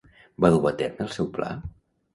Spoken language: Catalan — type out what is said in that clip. Va dur a terme el seu pla?